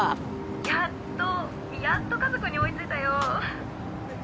やっとやっとかずくんに追いついたよ